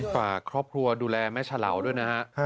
ฝากครอบครัวดูแลแม่เฉลาวด้วยนะฮะ